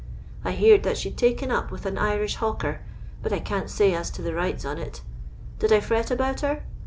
I heered that she'd taken up with an Irish hawker, but I can't say as to tlie rights on it Did I fret about her?